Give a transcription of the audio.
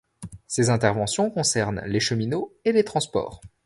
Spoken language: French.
Ses interventions concernent les cheminots et les transports.